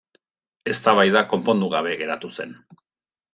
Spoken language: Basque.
Eztabaida konpondu gabe geratu zen.